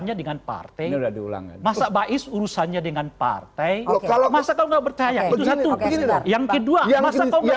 jangan masa baiz urusannya dengan partai kalau masa kau nggak bertanya yang kedua yang masih